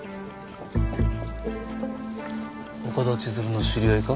岡田千鶴の知り合いか？